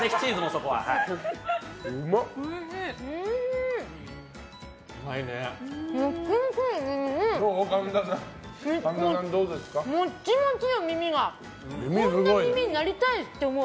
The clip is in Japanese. こんな耳になりたいって思う。